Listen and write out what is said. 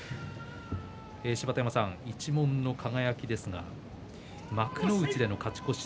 芝田山さん、一門の輝ですが幕内での勝ち越し